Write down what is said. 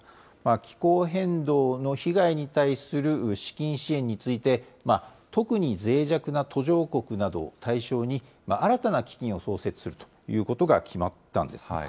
気候変動の被害に対する資金支援について、特にぜい弱な途上国などを対象に、新たな基金を創設するということが決まったんです。